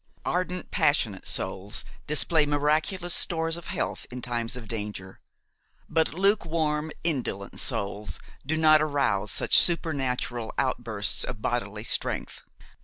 Ardent, passionate souls display miraculous stores of health in times of danger; but lukewarm, indolent souls do not arouse such supernatural outbursts of bodily strength.